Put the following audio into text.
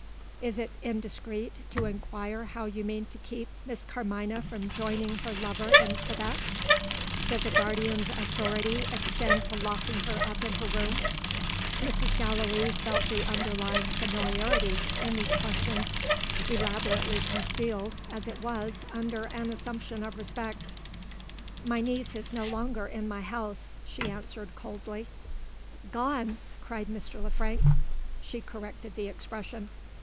Is it indiscreet to inquire how you mean to keep Miss Carmina from joining her lover in Quebec? Does a guardian's authority extend to locking her up in her room?" Mrs. Gallilee felt the underlying familiarity in these questions elaborately concealed as it was under an assumption of respect. "My niece is no longer in my house," she answered coldly. "Gone!" cried Mr. Le Frank. She corrected the expression.